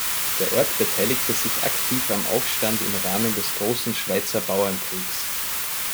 Der Ort beteiligte sich aktiv am Aufstand im Rahmen des grossen Schweizer Bauernkriegs.